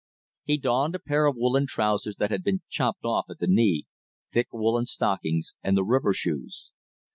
He donned a pair of woolen trousers that had been chopped off at the knee, thick woolen stockings, and the river shoes.